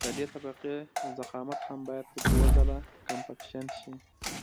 د دې طبقې ضخامت هم باید په دوه ځله کمپکشن شي